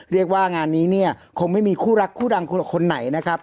เรียกว่างานนี้เนี่ยคงไม่มีคู่รักคู่ดังคนไหนนะครับ